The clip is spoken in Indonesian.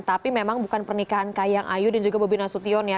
tapi memang bukan pernikahan kahiyang ayu dan juga bobi nasution ya